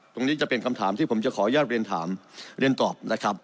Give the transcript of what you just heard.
ตรงนี้จะเป็นคำถามที่ผมจะขออนุญาตเรียนตอบ